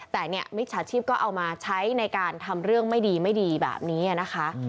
แต่เนี่ยมิจฉาชีพก็เอามาใช้ในการทำเรื่องไม่ดีไม่ดีแบบนี้นะคะ